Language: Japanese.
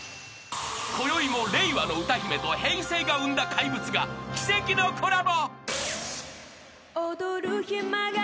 ［こよいも令和の歌姫と平成が生んだ怪物が奇跡のコラボ］